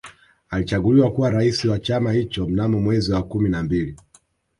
Alichaguliwa kuwa Rais wa chama hicho Mnamo mwezi wa kumi na mbili